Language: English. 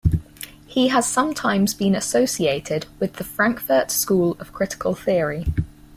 He has sometimes been associated with the Frankfurt School of critical theory.